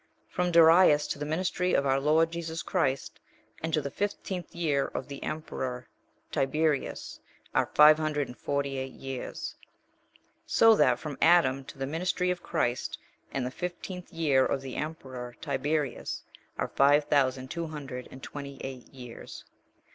From Darius to the ministry of our Lord Jesus Christ, and to the fifteenth year of the emperor Tiberius, are five hundred and forty eight years. So that from Adam to the ministry of Christ and the fifteenth year of the emperor Tiberius, are five thousand two hundred and twenty eight years.